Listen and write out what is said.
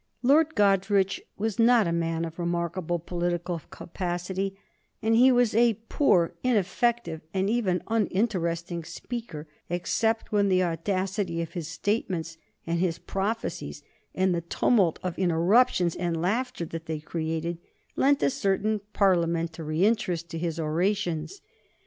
[Sidenote: 1828 The struggle for religious equality] Lord Goderich was not a man of remarkable political capacity, and he was a poor, ineffective, and even uninteresting speaker, except when the audacity of his statements, and his prophecies, and the tumult of interruptions and laughter that they created, lent a certain Parliamentary interest to his orations.